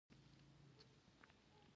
د مخ د تور ټکو لپاره باید څه شی وکاروم؟